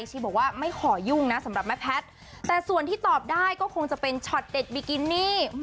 ชีบอกว่าไม่ขอยุ่งนะสำหรับแม่แพทย์แต่ส่วนที่ตอบได้ก็คงจะเป็นช็อตเด็ดบิกินี่